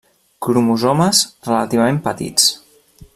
Cromosomes relativament 'petits'